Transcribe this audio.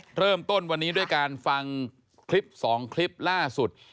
เริ่มต้นวันนี้ด้วยการฟังคลิป๒คลิปล่าสุด